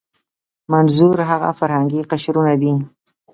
منظور هغه فرهنګي قشرونه دي.